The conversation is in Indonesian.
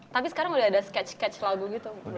tapi sekarang udah ada sketch catch lagu gitu